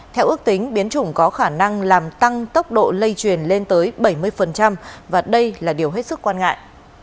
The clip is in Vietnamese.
theo ước tính biến chủng có khả năng làm tăng tốc độ lây truyền lên tới bảy mươi và đây là điều hết sức quan ngại